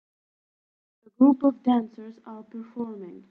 A group of dancers are performing